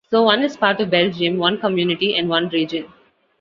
So one is part of Belgium, one Community, and one Region.